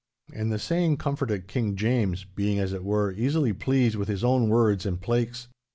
And the saying comforted King James, being, as it were, easily pleased with his own words and plaiks.